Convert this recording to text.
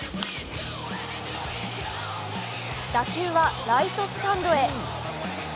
打球はライトスタンドへ。